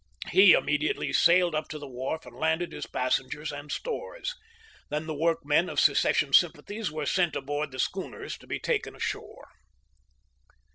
He immediately sailed up to the wharf and landed his passengers and stores. Then the workmen of secession sym pathies were sent aboard the schooners to be taken ashore.